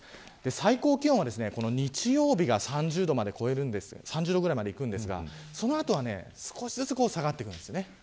最高気温は日曜日が３０度ぐらいまでいくんですがその後は少しずつ下がってきます。